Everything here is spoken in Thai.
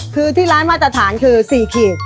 คือที่ร้านมาตรฐานคือ๔ขีด